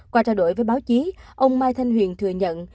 qua trao đổi với báo chí ông mai thanh huyền thừa nhận